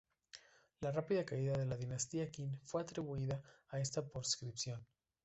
La rápida caída de la dinastía Qin fue atribuida a esta proscripción.